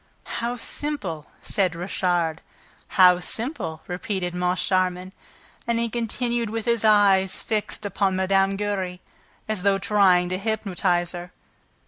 "How simple!" said Richard. "How simple!" repeated Moncharmin. And he continued with his eyes fixed upon Mme. Giry, as though trying to hypnotize her.